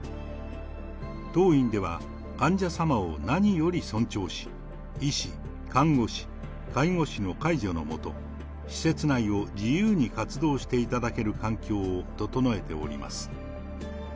当院では患者様を何より尊重し、医師、看護師、介護士の介助の下、施設内を自由に活動していただける環境を整えております。